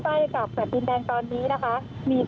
เพราะตอนนี้ก็ไม่มีเวลาให้เข้าไปที่นี่